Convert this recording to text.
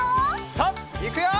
さあいくよ！